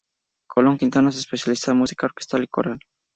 Colón-Quintana se especializa en música orquestal y coral.